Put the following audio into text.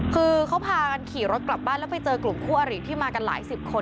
คือเขาพากันขี่รถกลับบ้านแล้วไปเจอกลุ่มคู่อริที่มากันหลายสิบคน